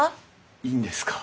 いいんですか？